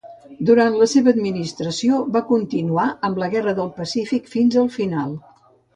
Durant la seva administració, va continuar amb la Guerra del Pacífic fins el final.